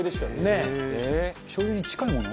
「しょう油に近いもの？」